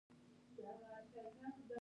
• دښمني د کرکې نښه ده.